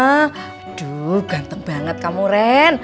aduh ganteng banget kamu ren